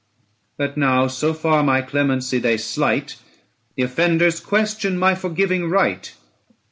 But now so far my clemency they slight, The offenders question my forgiving right.